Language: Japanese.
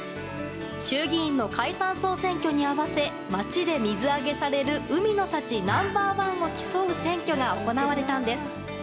衆議院の解散・総選挙に合わせ町で水揚げされる海の幸ナンバー１を競う選挙が行われたんです。